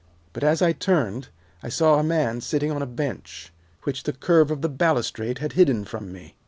But as I turned, I saw a man sitting on a bench, which the curve of the balustrade had hidden from me.